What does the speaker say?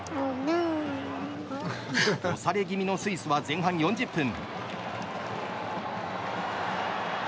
押されぎみのスイスは前半４０分。